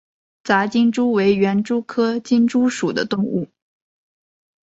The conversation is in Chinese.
杂金蛛为园蛛科金蛛属的动物。